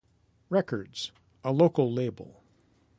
Records, a local label.